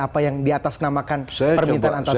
apa yang diatasnamakan permintaan antasari